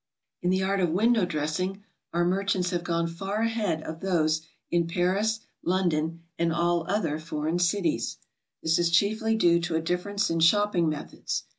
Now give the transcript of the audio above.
In the art of window dressing our merchants have gone 202 GOING ABROAD? far ahead of those in Paris, London, and all other foreign cities. This is chiefly due to a diff'erence in shopping methods.